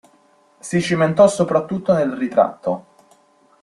Si cimentò soprattutto nel ritratto.